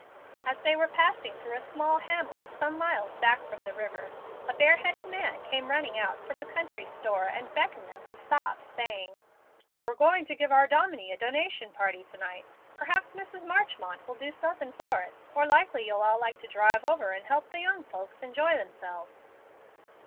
As they were passing through a small hamlet some miles back from the river, a bare headed man came running out from a country store and beckoned them to stop, saying: "We're going to give our dominie a donation party to night. Perhaps Mrs. Marehmont will do suthin' for us, or likely you'll all like to drive over and help the young folks enjoy themselves."